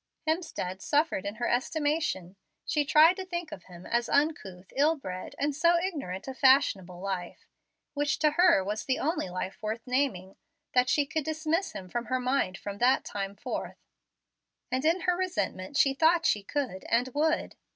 Hemstead suffered in her estimation. She tried to think of him as uncouth, ill bred, and so ignorant of fashionable life which to her was the only life worth naming that she could dismiss him from her mind from that, time forth. And in her resentment she thought she could and would.